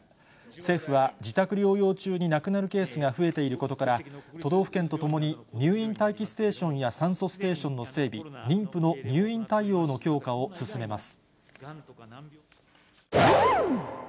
政府は、自宅療養中に亡くなるケースが増えていることから、都道府県と共に、入院待機ステーションや酸素ステーションの整備、妊婦の入院対応の強化を進めます。